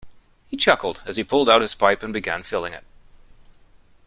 He chuckled as he pulled out his pipe and began filling it.